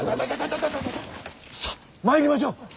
さあ参りましょう！